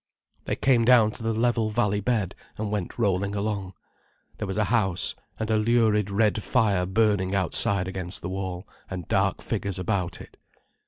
They came down to the level valley bed, and went rolling along. There was a house, and a lurid red fire burning outside against the wall, and dark figures about it.